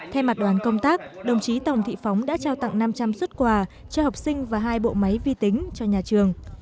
thay mặt đoàn công tác đồng chí tòng thị phóng đã trao tặng năm trăm linh xuất quà cho học sinh và hai bộ máy vi tính cho nhà trường